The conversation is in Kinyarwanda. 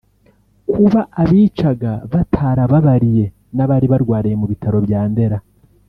Kuba abicaga batarababariye n’abari barwariye mu bitaro bya Ndera